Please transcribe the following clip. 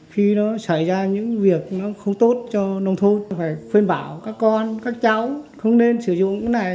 khi nó xảy ra những việc nó không tốt cho nông thôn phải khuyên bảo các con các cháu không nên sử dụng này